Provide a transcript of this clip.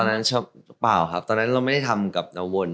นั้นชอบเปล่าครับตอนนั้นเราไม่ได้ทำกับนวน